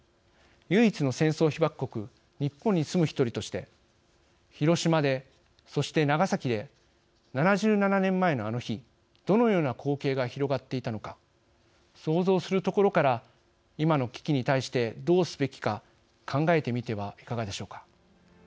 唯一の戦争被爆国・日本に住む一人として広島で、そして長崎で７７年前のあの日どのような光景が広がっていたのか想像するところから今の危機に対して、どうすべきか考えてみてはいかがでしょうか。